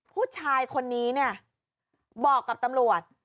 ผู้ชายคนนี้เนี่ยบอกกับตำรวจ